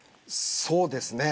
そうですね